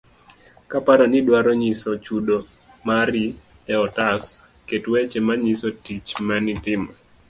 kapo ni idwaro nyiso chudo mari e otas, ket weche manyiso tich manitimo.